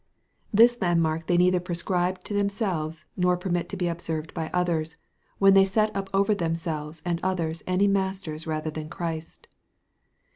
This landmark they neither prescribe to themselves, nor permit to be observed by others, when they set up over themselves and others any masters rather than Christ.